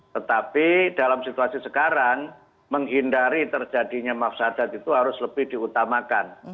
tetapi dalam situasi sekarang menghindari terjadinya mafsadat itu harus lebih diutamakan